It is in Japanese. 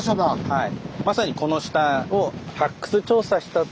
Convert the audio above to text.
はい。